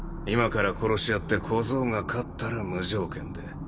今から殺し合って小僧が勝ったら無条件で。